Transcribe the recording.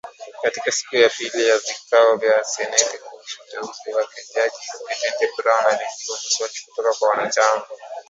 Katika siku ya pili ya vikao vya seneti kuhusu uteuzi wake , jaji Ketanji Brown , alijibu maswali kutoka kwa wanachama.